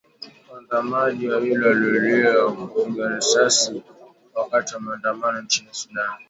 Waandamanaji wawili waliuawa kwa kupigwa risasi wakati wa maandamano nchini Sudan.